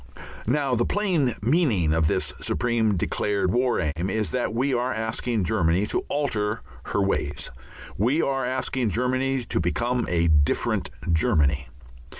Now the plain meaning of this supreme declared War Aim is that we are asking Germany to alter her ways. We are asking Germany to become a different Germany.